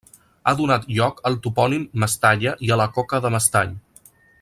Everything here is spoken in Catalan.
Ha donat lloc al topònim Mestalla i a la coca de mestall.